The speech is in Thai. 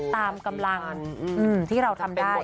ตามกำลังที่เราทำได้